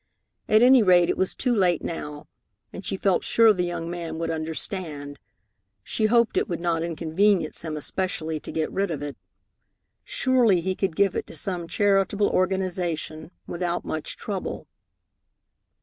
At any rate, it was too late now, and she felt sure the young man would understand. She hoped it would not inconvenience him especially to get rid of it. Surely he could give it to some charitable organization without much trouble.